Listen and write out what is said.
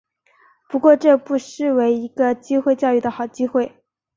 不过这不失为一个机会教育的好机会